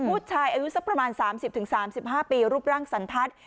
ผู้ชายอายุสักประมาณสามสิบถึงสามสิบห้าปีรูปร่างสันทัศน์